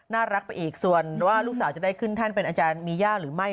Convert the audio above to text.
น่ารักไปอีกส่วนว่าลูกสาวจะได้ขึ้นแท่นเป็นอาจารย์มีย่าหรือไม่